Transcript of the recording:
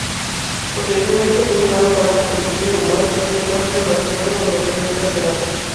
Posteriormente fue llevado al barco-prisión "Uruguay", en el puerto de Barcelona, donde quedó encarcelado.